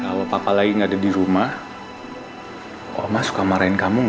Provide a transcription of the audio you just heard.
gak ada yang perlu dikhawatirkan